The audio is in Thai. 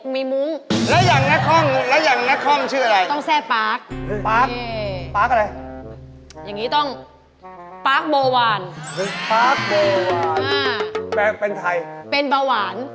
มีท่ออย่างนี้เหรอ